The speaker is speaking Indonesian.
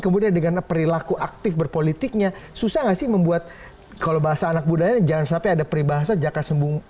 kemudian dengan perilaku aktif berpolitiknya susah nggak sih membuat kalau bahasa anak budaya jangan sampai ada peribahasa jaka sembung